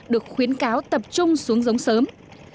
được khuyến cáo tập trung xuống giống sớm